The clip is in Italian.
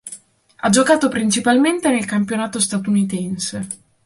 Ha giocato principalmente nel campionato statunitense.